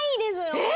えっ！